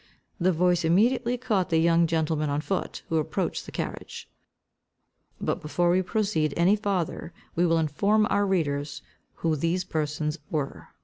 The voice immediately caught the young gentleman on foot, who approached the carriage. But before we proceed any farther we will inform our readers who these persons were.